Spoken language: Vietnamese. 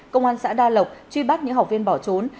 công an xã đa lộc truy bắt những học viên bỏ trốn